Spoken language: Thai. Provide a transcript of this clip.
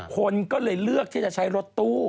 คนก็เลยเลือกที่จะใช้รถตู้